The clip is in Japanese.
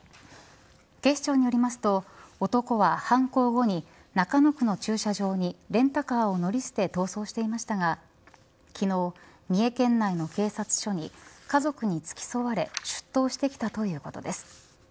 警視庁によりますと男は犯行後に、中野区の駐車場にレンタカーを乗り捨て逃走していましたが昨日、三重県内の警察署に家族に付き添われ出頭してきたということです。